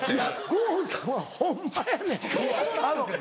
郷さんはホンマやねん。